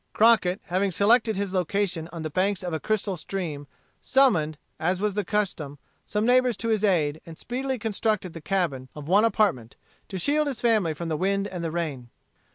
Crockett, having selected his location on the banks of a crystal stream, summoned, as was the custom, some neighbors to his aid, and speedily constructed the cabin, of one apartment, to shield his family from the wind and the rain.